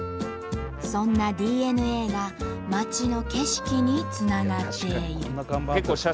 そんなＤＮＡが街の景色につながっている。